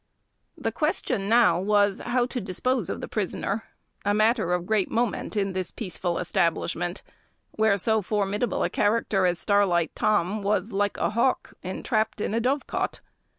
The question now was, how to dispose of the prisoner; a matter of great moment in this peaceful establishment, where so formidable a character as Starlight Tom was like a hawk entrapped in a dovecot.